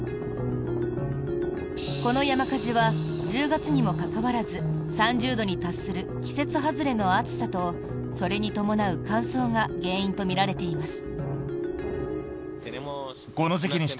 この山火事は１０月にもかかわらず３０度に達する季節外れの暑さとそれに伴う乾燥が原因とみられています。